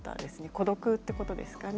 孤独ってことですかね。